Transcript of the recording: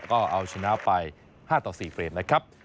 ก็เอาชนะไป๕ต่อ๔เฟรนดนะครับ